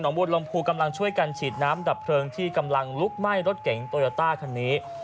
บทลมภูกำลังช่วยกันฉีดน้ำดับเพลิงที่กำลังลุกไหม้รถเก๋งโตโยต้าคันนี้